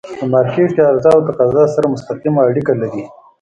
په مارکيټ کی عرضه او تقاضا سره مستقیمه اړیکه لري.